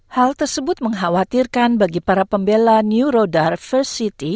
hal tersebut mengkhawatirkan bagi para pembela neurodiversity